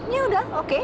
ya udah oke